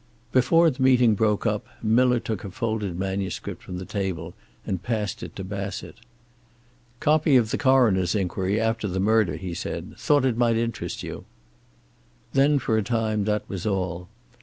Before the meeting broke up Miller took a folded manuscript from the table and passed it to Bassett. "Copy of the Coroner's inquiry, after the murder," he said. "Thought it might interest you..." Then, for a time, that was all.